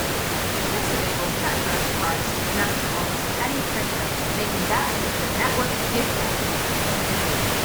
This enabled Jetdirect cards to connect to almost any printer, making that printer network-capable.